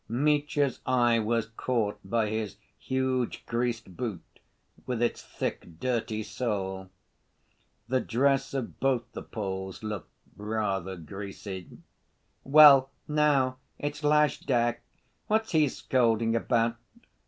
Mitya's eye was caught by his huge greased boot, with its thick, dirty sole. The dress of both the Poles looked rather greasy. "Well, now it's lajdak! What's he scolding about?"